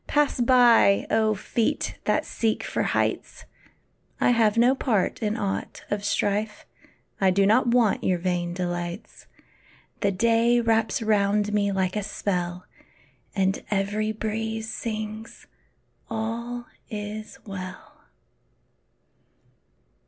Pass by, oh, feet that seek for heights! I have no part in aught of strife; I do not want your vain delights. The day wraps round me like a spell, And every breeze sings, "All is well."